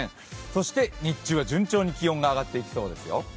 そして日中は順調に気温が上がっていきそうですよ。